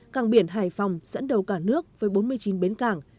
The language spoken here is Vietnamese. càng biển hải phòng dẫn đầu cả nước với bốn mươi chín bến cảng